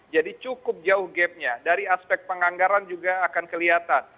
jadi cukup jauh gap nya dari aspek penganggaran juga akan kelihatan